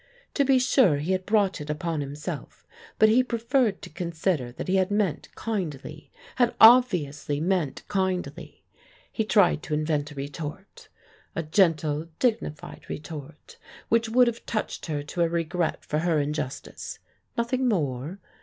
To be sure he had brought it upon himself, but he preferred to consider that he had meant kindly had obviously meant kindly. He tried to invent a retort, a gentle, dignified retort which would have touched her to a regret for her injustice nothing more.